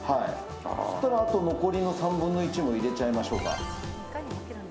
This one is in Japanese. そしたらあと残りの３分の１も入れちゃいましょうか。